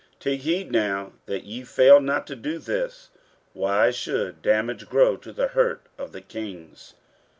15:004:022 Take heed now that ye fail not to do this: why should damage grow to the hurt of the kings?